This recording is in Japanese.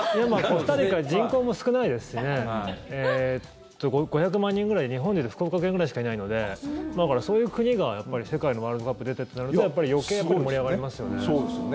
コスタリカ人口も少ないですしね５００万人ぐらい、日本でいうと福岡県ぐらいしかいないのでだからそういう国が世界のワールドカップに出てとなるとやっぱり余計に盛り上がりますよね。